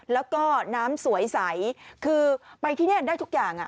แล้วก็น้ำสวยใสคือไปที่นี่ได้ทุกอย่าง